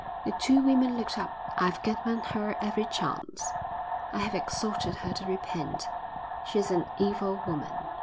The two women looked up. "I've given her every chance. I have exhorted her to repent. She is an evil woman."